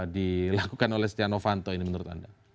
dilakukan oleh setia novanto ini menurut anda